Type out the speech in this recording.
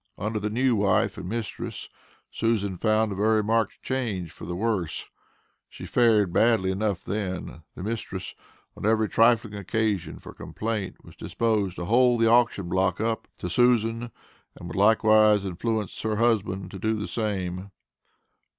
Under the new wife and mistress, Susan found a very marked change for the worse. She fared badly enough then. The mistress, on every trifling occasion for complaint, was disposed to hold the auction block up to Susan, and would likewise influence her husband to do the same.